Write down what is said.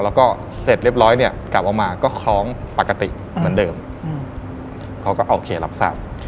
แล้วก็เสร็จเรียบร้อยเนี่ยกลับออกมาก็คล้องปกติเหมือนเดิมเขาก็โอเครับทราบ